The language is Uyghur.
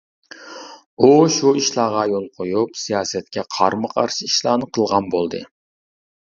ئۇ شۇ ئىشلارغا يول قويۇپ سىياسەتكە قارىمۇقارشى ئىشلارنى قىلغان بولدى.